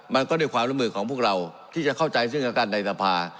มันก็ด้วยความละมืดของพวกเราที่จะเข้าใจซึ่งรายการในศภา